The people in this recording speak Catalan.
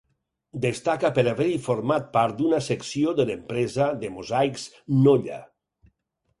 Destaca per haver-hi format part d'una secció de l'empresa de mosaics Nolla.